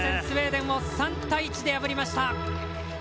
スウェーデンを３対１で破りました。